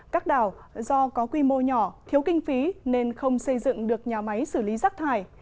các đảo do có quy mô nhỏ thiếu kinh phí nên không xây dựng được nhà máy xử lý rác thải